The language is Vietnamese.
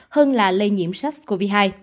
hơn là lây nhiễm sars cov hai